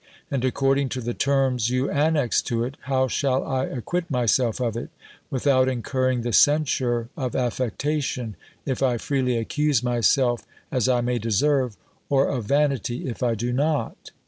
And according to the terms you annex to it, how shall I acquit myself of it, without incurring the censure of affectation, if I freely accuse myself as I may deserve, or of vanity, if I do not?